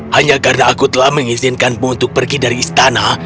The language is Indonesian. hanya karena aku telah mengizinkanmu untuk pergi dari istana